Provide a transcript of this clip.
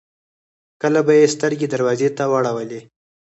کله به يې سترګې دروازې ته واړولې.